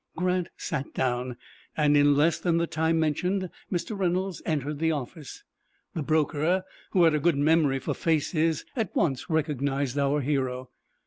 Grant sat down, and in less than the time mentioned, Mr. Reynolds entered the office. The broker, who had a good memory for faces, at once recognized our hero.